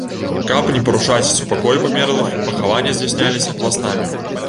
Каб не парушаць супакой памерлых, пахаванні здзяйсняліся пластамі.